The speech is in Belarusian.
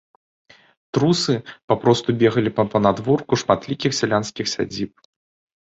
Трусы папросту бегалі па панадворку шматлікіх сялянскіх сядзіб.